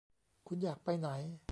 คุณอยากไปไหน